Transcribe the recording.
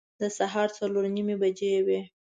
د سهار څلور نیمې بجې وې.